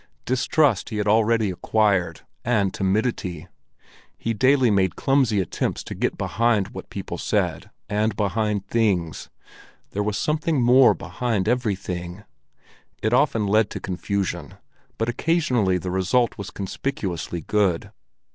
Distrust he had already acquired—and timidity! He daily made clumsy attempts to get behind what people said, and behind things. There was something more behind everything! It often led to confusion, but occasionally the result was conspicuously good.